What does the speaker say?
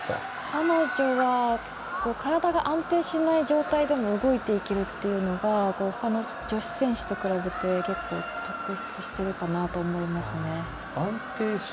彼女は体が安定しない状態でも動いていけるというのが他の女子選手と比べて特筆しているかなと思いますね。